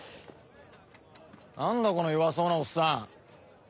何だこの弱そうなおっさん。